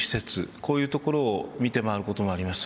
こういう所を見て回ることもあります。